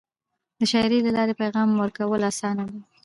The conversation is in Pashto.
د شاعری له لارې پیغام ورکول اسانه دی.